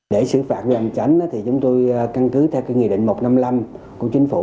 để xử phạt vi phạm hành tránh thì chúng tôi căn cứ theo nghị định một trăm năm mươi năm của chính phủ